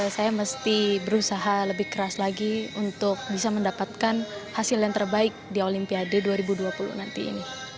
saya mesti berusaha lebih keras lagi untuk bisa mendapatkan hasil yang terbaik di olimpiade dua ribu dua puluh nanti ini